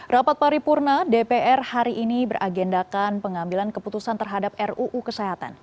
rapat paripurna dpr hari ini beragendakan pengambilan keputusan terhadap ruu kesehatan